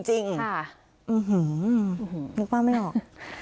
อื้อหือนึกว่าไม่ออก